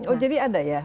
oh jadi ada ya